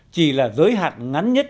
chỉ là giới hạn ngắn nhất